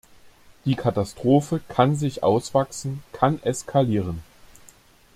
Die Katastrophe kann sich auswachsen, kann eskalieren.